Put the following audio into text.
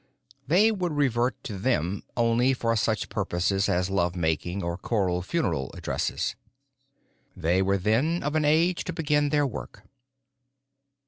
They would revert to them only for such purposes as love making or choral funeral addresses. They were then of an age to begin their work.